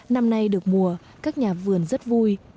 năm nay được mùa các nhà vườn rất vui